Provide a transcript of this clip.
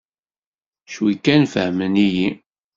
Cwi kan fehmen-iyi.